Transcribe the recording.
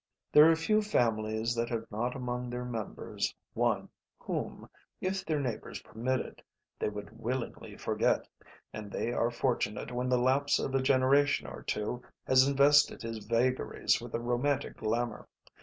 There are few families that have not among their members one whom, if their neighbours permitted, they would willingly forget, and they are fortunate when the lapse of a generation or two has invested his vagaries with a romantic glamour.